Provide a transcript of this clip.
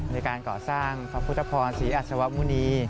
ในการก่อสร้างพระพุทธพรศรีอัศวมุณี